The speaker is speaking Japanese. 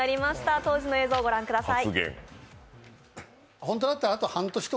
当時の映像、ご覧ください。